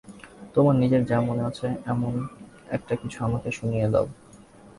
তোমার নিজের যা মনে আছে এমন একটা-কিছু আমাকে শুনিয়ে দাও।